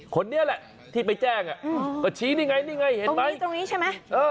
คนนี้แหละที่ไปแจ้งก็ชี้นี่ไงตรงนี้ใช่ไหม